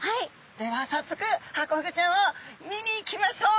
ではさっそくハコフグちゃんを見に行きましょう！